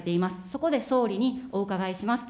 そこで総理にお伺いします。